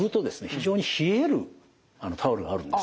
非常に冷えるタオルがあるんです。